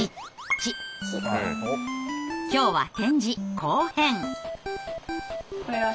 今日は「点字」後編。